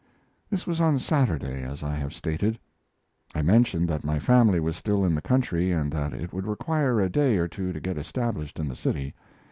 This was on Saturday, as I have stated. I mentioned that my family was still in the country, and that it would require a day or two to get established in the city.